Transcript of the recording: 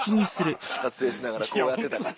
撮影しながらこうやってたから。